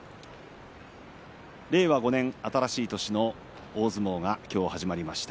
令和５年新しい年の大相撲が今日始まりました。